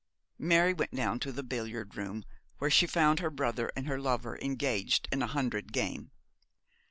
Mary went down to the billiard room, where she found her brother and her lover engaged in a hundred game.